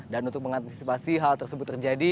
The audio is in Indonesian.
dan untuk mengantisipasi hal tersebut terjadi